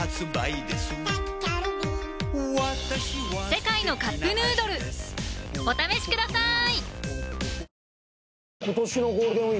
「世界のカップヌードル」お試しください！